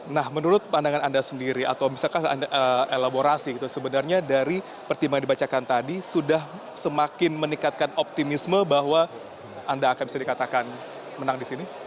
nah menurut pandangan anda sendiri atau bisakah anda elaborasi gitu sebenarnya dari pertimbangan dibacakan tadi sudah semakin meningkatkan optimisme bahwa anda akan bisa dikatakan menang di sini